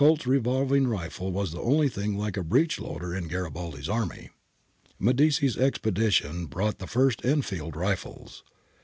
]' The Colt's revolving rifle was the only thing like a breech loader in Garibaldi's army.' 'Medici's Expedition brought the first Enfield Rifles.